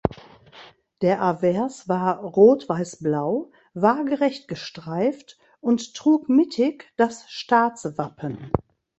Der Avers war rot-weiß-blau waagerecht gestreift und trug mittig das Staatswappen.